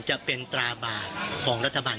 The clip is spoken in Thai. จะเป็นตราบาปของรัฐบาล